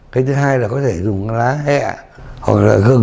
cái thứ hai là có thể dùng lá hẹ hoặc là gừng